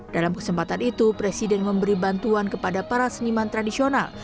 dalam kesempatan itu presiden memberi bantuan kepada para seniman tradisional